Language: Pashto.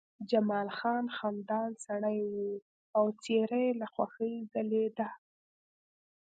جمال خان خندان سړی و او څېره یې له خوښۍ ځلېدله